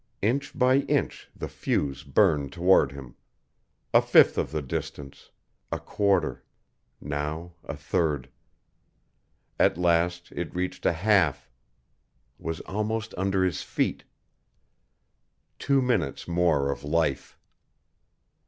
Inch by inch the fuse burned toward him a fifth of the distance, a quarter now a third. At last it reached a half was almost under his feet. Two minutes more of life.